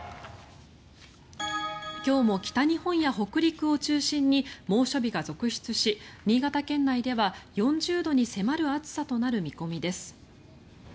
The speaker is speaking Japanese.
今日も北日本や北陸を中心に猛暑日が続出し新潟県内では４０度に迫る暑さとなる見込みです。